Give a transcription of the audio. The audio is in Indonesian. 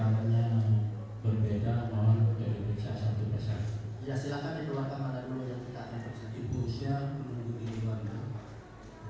sebagaimana sapa sumpah yang diberikan benar diingat benar diingat dan benar dihalangi ya